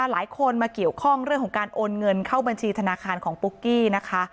หลายคนมาเกี่ยวข้องเรื่องของการโอนเงินเข้าบัญชีธนาคารของปุ๊กกี้นะคะ